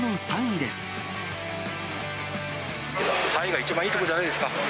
３位が一番いいところじゃないですか。